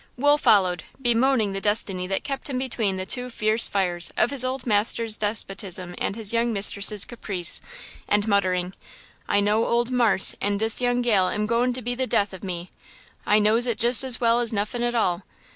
Wool followed, bemoaning the destiny that kept him between the two fierce fires of his old master's despotism and his young mistress's caprice, and muttering: "I know old marse and dis young gal am goin' to be the death of me! I knows it jes' as well as nuffin at all!